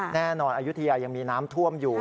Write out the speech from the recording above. แน่นอนอายุทียายังมีน้ำท่วมอยู่